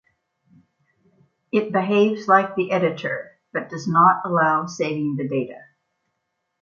It behaves like the editor, but does not allow saving the data.